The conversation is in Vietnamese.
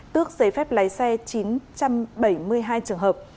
tước giấy phép lái xe chín trăm bảy mươi hai trường hợp